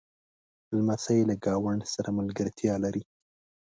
لمسی له ګاونډ سره ملګرتیا لري.